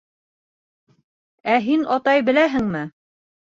Ә һин, атай, беләһеңме?